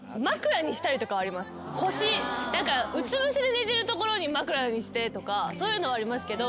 腰うつぶせで寝てるところに枕にしてとかそういうのはありますけど。